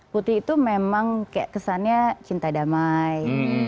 putih itu memang kesannya cinta damai